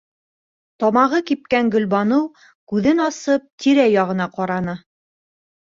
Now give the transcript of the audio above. - Тамағы кипкән Гөлбаныу күҙен асып тирә-яғына ҡараны.